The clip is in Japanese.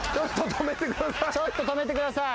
ちょっと止めてください。